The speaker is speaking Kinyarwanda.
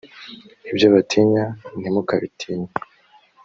ibyo batinya ntimukabitinye